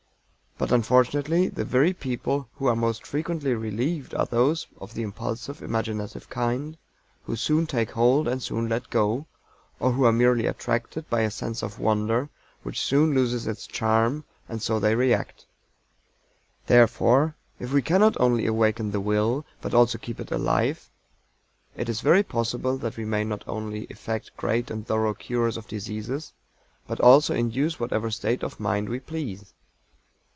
But unfortunately the very people who are most frequently relieved are those of the impulsive imaginative kind, who "soon take hold and soon let go," or who are merely attracted by a sense of wonder which soon loses its charm, and so they react. Therefore if we cannot only awaken the Will, but also keep it alive, it is very possible that we may not only effect great and thorough cures of diseases, but also induce whatever state of mind we please.